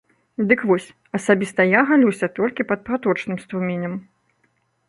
Дык вось, асабіста я галюся толькі пад праточным струменем.